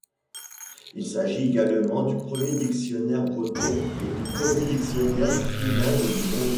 Il s'agit également du premier dictionnaire breton et du premier dictionnaire trilingue du monde.